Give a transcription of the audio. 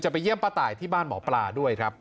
ไปเยี่ยมป้าตายที่บ้านหมอปลาด้วยครับ